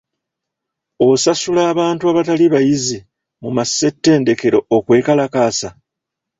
Osasula abantu abatali bayizi mu massetendekero okwekalakaasa?